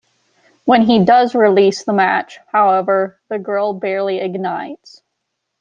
When he does release the match, however, the grill barely ignites.